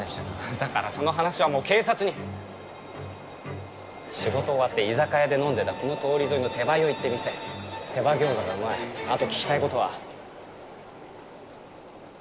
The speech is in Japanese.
だからその話はもう警察に仕事終わって居酒屋で飲んでたこの通り沿いの手羽酔いって店手羽餃子がうまいあと聞きたいことは？